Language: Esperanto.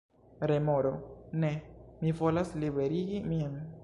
Remoro: "Ne. Mi volas liberigi min!"